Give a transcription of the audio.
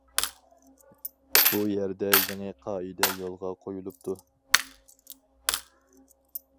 بۇ يەردە يېڭى قائىدە يولغا قويۇلۇپتۇ.